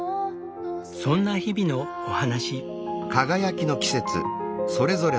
そんな日々のお話。